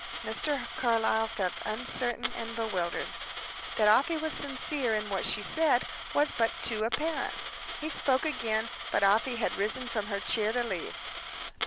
Mr. Carlyle felt uncertain and bewildered. That Afy was sincere in what she said, was but too apparent. He spoke again but Afy had risen from her chair to leave.